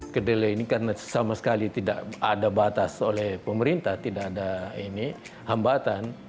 kedelai ini karena sama sekali tidak ada batas oleh pemerintah tidak ada hambatan